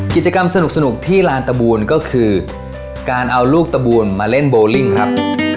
กิจกรรมสนุกที่ลานตะบูลก็คือการเอาลูกตะบูนมาเล่นโบลิ่งครับ